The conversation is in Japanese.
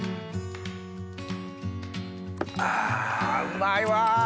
うまいわ！